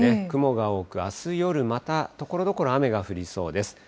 雲が多く、あす夜、またところどころ雨が降りそうです。